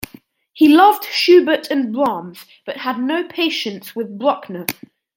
He loved Schubert and Brahms, but had no patience with Bruckner.